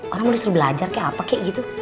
orang mau disuruh belajar kayak apa kayak gitu